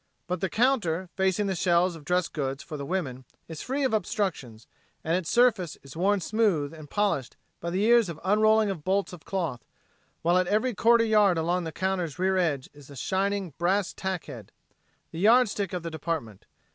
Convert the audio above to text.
But the counter, facing the shelves of dress goods for the women, is free of obstructions, and its surface is worn smooth and polished by the years of unrolling of bolts of cloth, while at every quarter yard along the counter's rear edge is a shining brass tack head the yardstick of the department.